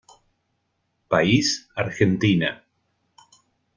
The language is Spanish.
País: Argentina.